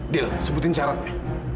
deal sebutin syaratnya